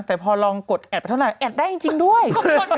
แต่พอลองกดแอดไปเท่าไหดได้จริงด้วย